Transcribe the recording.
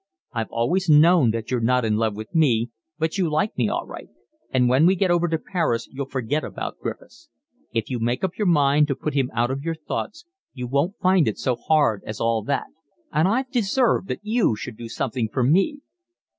I've always known that you're not in love with me, but you like me all right, and when we get over to Paris you'll forget about Griffiths. If you make up your mind to put him out of your thoughts you won't find it so hard as all that, and I've deserved that you should do something for me."